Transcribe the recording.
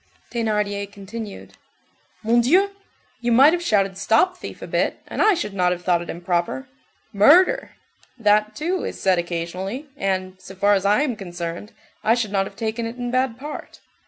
Thénardier continued:— "Mon Dieu! You might have shouted 'stop thief' a bit, and I should not have thought it improper. 'Murder!' That, too, is said occasionally, and, so far as I am concerned, I should not have taken it in bad part.